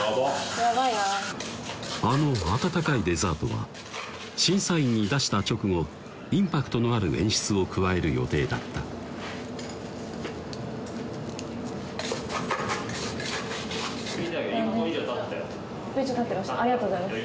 ヤバいなあの温かいデザートは審査員に出した直後インパクトのある演出を加える予定だった１分以上経ってました？